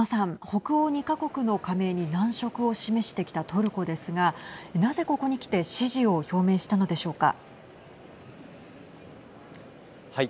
北欧２か国の加盟に難色を示してきたトルコですがなぜ、ここにきて支持を表明したのでしょうか。